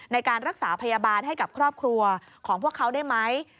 ในการรักษาพยาบาลให้กับครอบครัวของพวกเขาได้ไหม